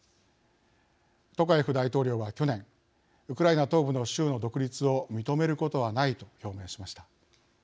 トカエフ大統領は去年ウクライナ東部の州の独立を認めることはないと表明しました。